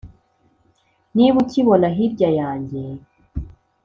Niba ukibona hirya yanjye